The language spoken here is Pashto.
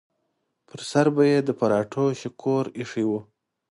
پر سر به یې د پراټو شکور ایښی و.